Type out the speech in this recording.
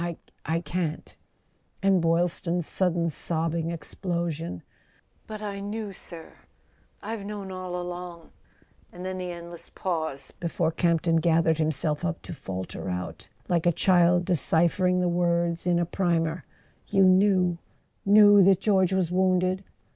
I can't " and Boylston's sudden sobbing explosion: " But I knew , sir—I've known all along ..." and then the endless pause before Camp¬ ton gathered himself up to falter out (like a child de¬ ciphering the words in a primer): "You knew —knew that George was wounded?"